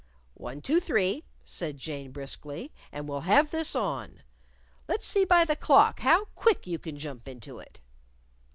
"One, two, three," said Jane, briskly, "and we'll have this on! Let's see by the clock how quick you can jump into it!"